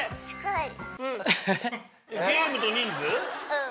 うん。